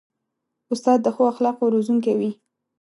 استاد د ښو اخلاقو روزونکی وي.